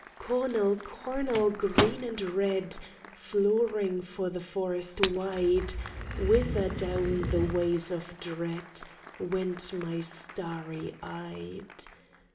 "Cornel, cornel, green and red Flooring for the forest wide, Whither down the ways of dread Went my starry eyed?"